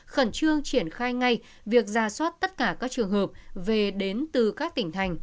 khẩn trương triển khai ngay việc ra soát tất cả các trường hợp về đến từ các tỉnh thành